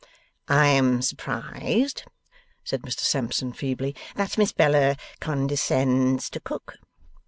'I am surprised,' said Mr Sampson feebly, 'that Miss Bella condescends to cook.